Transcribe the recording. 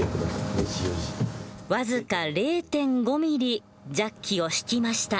僅か０．５ｍｍジャッキを引きました。